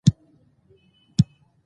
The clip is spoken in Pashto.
افغانستان د دښتو په اړه روایتونه لري.